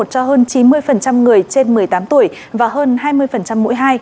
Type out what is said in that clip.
cho hơn chín mươi người trên một mươi tám tuổi và hơn hai mươi mỗi hai